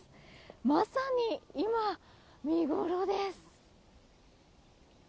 まさに今、見ごろです。